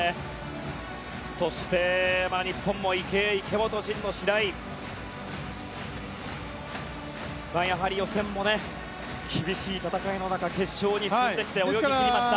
そして、日本も池江、池本、神野、白井やはり予選も厳しい戦いの中決勝に進んできて泳ぎ切りました。